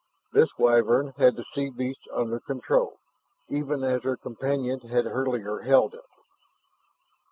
This Wyvern had the sea beast under control, even as her companion had earlier held it.